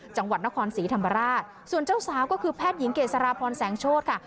จังหวัดนครศรีธรรมราชส่วนเจ้าสาวก็คือแพทย์หญิงเกษราพรแสงโชธค่ะ